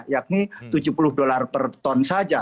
yakni tujuh puluh dolar per ton saja